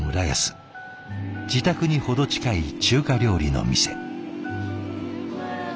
自宅に程近い中華料理の店。